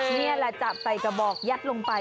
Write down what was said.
นี่แหละจับใส่กระบอกยัดลงไป